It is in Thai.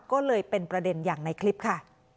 ก็เลยเป็นประเด็นอย่างในคลิปค่ะ